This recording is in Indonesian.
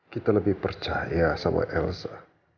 kita lebih percaya sama elsa